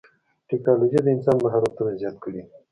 ټکنالوجي د انسان مهارتونه زیات کړي دي.